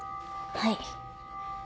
はい。